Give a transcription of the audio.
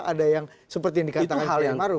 ada yang seperti yang dikatakan jokowi maruf